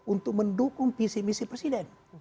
untuk mendukung visi misi presiden